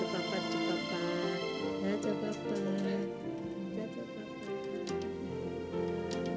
tuh coba pak coba pak